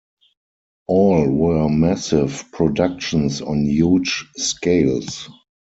All were massive productions on huge scales.